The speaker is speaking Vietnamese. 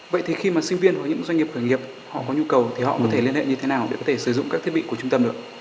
vậy thì khi mà sinh viên hoặc những doanh nghiệp khởi nghiệp họ có nhu cầu thì họ có thể liên hệ như thế nào để có thể sử dụng các thiết bị của trung tâm được